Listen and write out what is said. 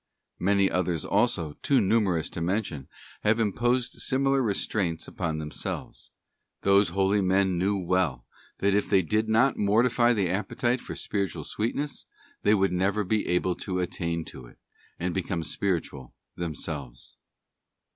Many others also, too numerous to mention, have imposed similar restraints upon themselves. Those holy men well knew that if they did not mortify the appetite for spiritual sweetness they never would be able to attain to it, and become spiritual themselves.